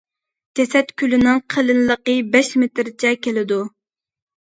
جەسەت كۈلىنىڭ قېلىنلىقى بەش مېتىرچە كېلىدۇ.